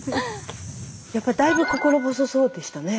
やっぱりだいぶ心細そうでしたね。